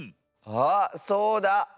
あっそうだ。